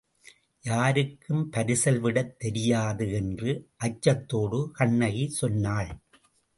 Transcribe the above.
யாருக்கும் பரிசல்விடத் தெரியாது என்று அச்சத்தோடு கண்ணகி சொன்னாள்.